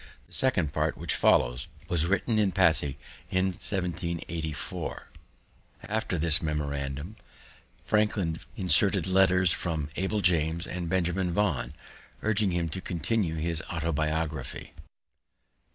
The second part, which follows, was written at Passy in 1784. After this memorandum, Franklin inserted letters from Abel James and Benjamin Vaughan, urging him to continue his Autobiography.